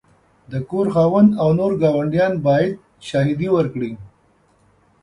د کور خاوند او نور ګاونډیان باید شاهدي ورکړي.